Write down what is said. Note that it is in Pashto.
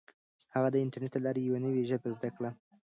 هغې د انټرنیټ له لارې یوه نوي ژبه زده کړه.